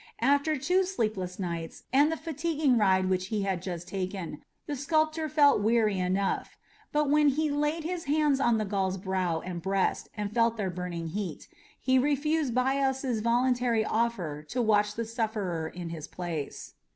After two sleepless nights and the fatiguing ride which he had just taken, the sculptor felt weary enough; but when he laid his hand on the Gaul's brow and breast, and felt their burning heat, he refused Bias's voluntary offer to watch the sufferer in his place.